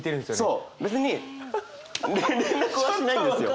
そう別に連絡はしないんですよ。